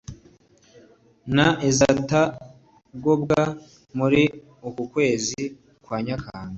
na izatakobwa muri ukukwezi kwa nyakanga